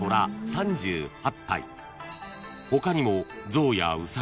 ［他にも］